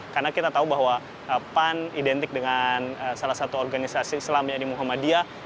karena kita tahu bahwa pan identik dengan salah satu organisasi islamnya di muhammadiyah